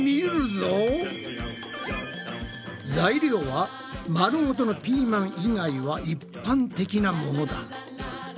材料は丸ごとのピーマン以外は一般的なものだ。